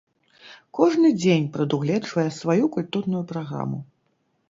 Кожны дзень прадугледжвае сваю культурную праграму.